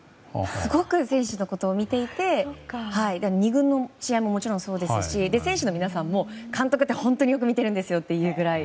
すごく選手のことを見てて２軍の試合もそうですし選手の皆さんも監督ってよく見ているんですよっていうぐらい。